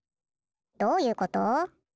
どういうこと？